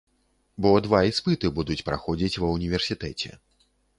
Бо два іспыты будуць праходзіць ва ўніверсітэце.